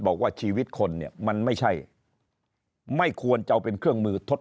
บอกว่าชีวิตคนเนี่ยมันไม่ใช่ไม่ควรจะเอาเป็นเครื่องมือทด